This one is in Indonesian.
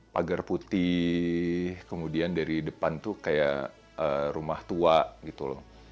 pagar putih kemudian dari depan tuh kayak rumah tua gitu loh